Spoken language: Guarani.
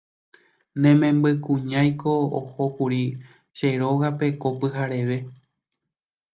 Ne membykuñániko ohókuri che rógape ko pyhareve